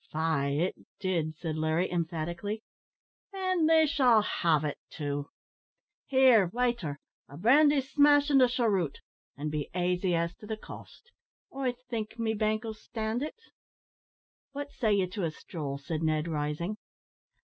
"Faix it did," said Larry, emphatically; "and they shall have it, too; here, waiter, a brandy smash and a cheroot, and be aisy as to the cost; I think me bank'll stand it." "What say you to a stroll!" said Ned, rising.